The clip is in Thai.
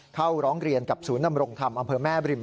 เข้าร้องเรียนกับศูนย์นำรงธรรมอำเภอแม่บริม